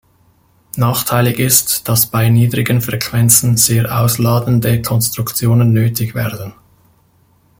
Nachteilig ist, dass bei niedrigen Frequenzen sehr ausladende Konstruktionen nötig werden.